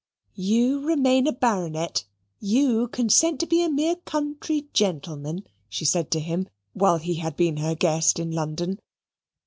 "You remain a Baronet you consent to be a mere country gentleman," she said to him, while he had been her guest in London.